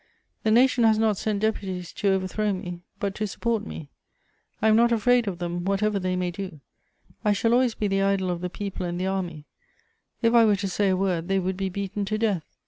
The nation has not sent deputies to overthrow me, but to support me. I am not afraid of them, whatever they may do; I shall always be the idol of the people and the army: if I were to say a word, they would be beaten to death.